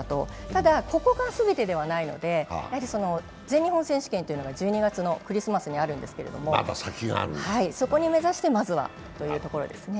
ただここが全てではないので、全日本選手権が１２月のクリスマスにあるんですけどそこに目指してまずはというところですね。